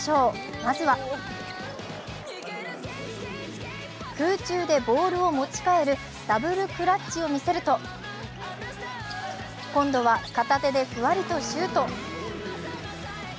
まずは空中でボールを持ち替えるダブルクラッチを見せると、今度は片手でふわりとシュート。